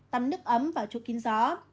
tắm nước ấm và chua kín gió